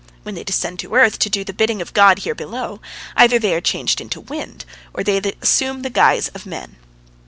When they descend to earth, to do the bidding of God here below, either they are changed into wind, or they assume the guise of men.